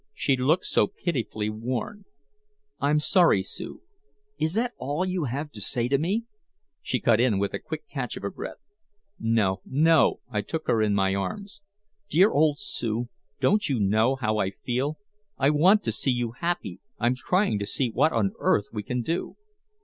She looked so pitifully worn. "I'm sorry, Sue " "Is that all you have to say to me?" she cut in with a quick catch of her breath. "No, no." I took her in my arms. "Dear old Sue don't you know how I feel? I want to see you happy. I'm trying to see what on earth we can do."